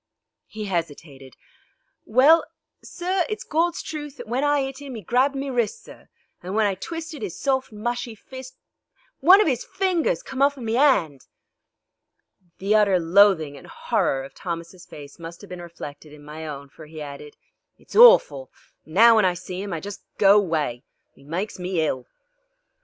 He hesitated. "Well, sir, it's Gawd's truth that when I 'it 'im 'e grabbed me wrists, sir, and when I twisted 'is soft, mushy fist one of 'is fingers come off in me 'and." The utter loathing and horror of Thomas' face must have been reflected in my own, for he added: "It's orful, an' now when I see 'im I just go away. 'E maikes me hill."